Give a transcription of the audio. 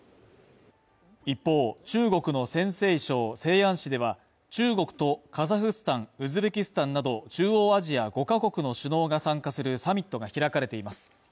一方、中国の陝西省西安市では、中国とカザフスタン、ウズベキスタンなど、中央アジア５か国の首脳が参加するサミットが開かれています。